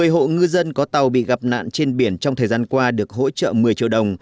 một mươi hộ ngư dân có tàu bị gặp nạn trên biển trong thời gian qua được hỗ trợ một mươi triệu đồng